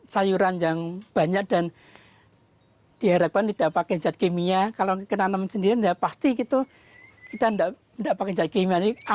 sayuran ini cukup untuk memenuhi kebutuhan keluarganya